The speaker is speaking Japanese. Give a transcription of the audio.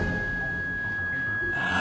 ああ！